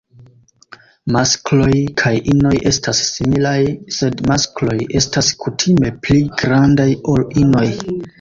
Maskloj kaj inoj estas similaj sed maskloj estas kutime pli grandaj ol inoj.